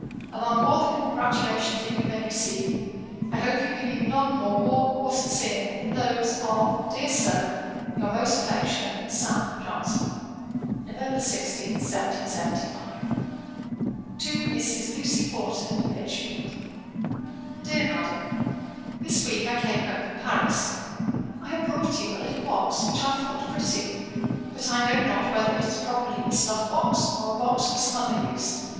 Among all the congratulations that you may receive, I hope you believe none more warm or sincere, than those of, dear Sir, 'Your most affectionate, 'SAM. JOHNSON.' 'November 16, 1775.' 'TO MRS. LUCY PORTER, IN LICHFIELD. 'DEAR MADAM, 'This week I came home from Paris. I have brought you a little box, which I thought pretty; but I know not whether it is properly a snuff box, or a box for some other use.